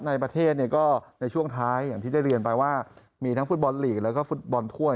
ในประเทศเนี่ยก็ในช่วงท้ายอย่างที่ได้เรียนไปว่ามีทั้งฟุตบอลลีกแล้วก็ฟุตบอลถ้วย